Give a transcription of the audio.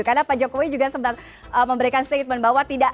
karena pak jokowi juga sempat memberikan statement bahwa tidak